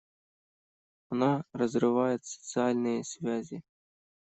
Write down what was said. Она разрывает социальные связи.